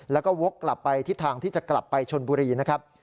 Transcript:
แล้วก็วกกลับไปทิศทางที่จะกลับไปชนบุรีนะครับ